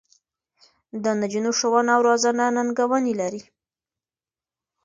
د نجونو ښوونه او روزنه ننګونې لري.